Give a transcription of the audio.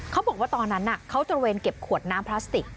เขาบอกว่าตอนนั้นเขาตระเวนเก็บขวดน้ำพลาสติก